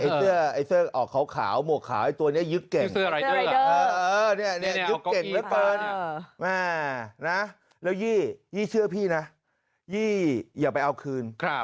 ไอ้เสื้อออกขาวหัวขาวไอ้ตัวนี้ยึกเก่ง